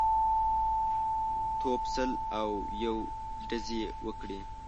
توپ سل او یو ډزې یې وکړې.